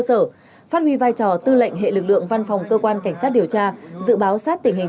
sở phát huy vai trò tư lệnh hệ lực lượng văn phòng cơ quan cảnh sát điều tra dự báo sát tình hình